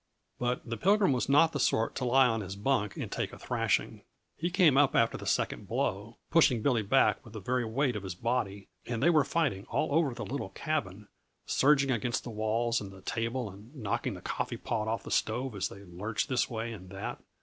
But the Pilgrim was not the sort to lie on his bunk and take a thrashing. He came up after the second blow, pushing Billy back with the very weight of his body, and they were fighting all over the little cabin, surging against the walls and the table and knocking the coffee pot off the stove as they lurched this way and that.